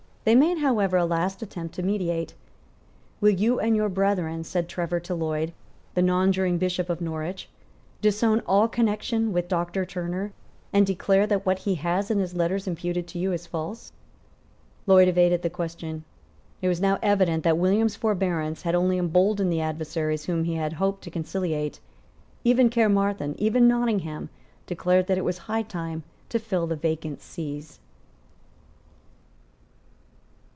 They made, however, a last attempt to mediate. "Will you and your brethren," said Trevor to Lloyd, the nonjuring Bishop of Norwich, "disown all connection with Doctor Turner, and declare that what he has in his letters imputed to you is false?" Lloyd evaded the question. It was now evident that William's forbearance had only emboldened the adversaries whom he had hoped to conciliate. Even Caermarthen, even Nottingham, declared that it was high time to fill the vacant sees.